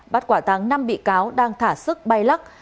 bắt quả tăng năm bị cáo đang thả sức bay lắc